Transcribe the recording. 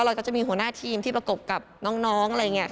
เราก็จะมีหัวหน้าทีมที่ประกบกับน้องอะไรอย่างนี้